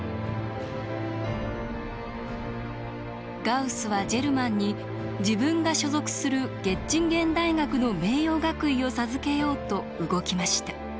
ガウスはジェルマンに自分が所属するゲッチンゲン大学の名誉学位を授けようと動きました。